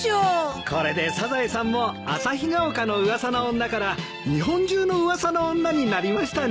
これでサザエさんもあさひが丘の噂の女から日本中の噂の女になりましたね。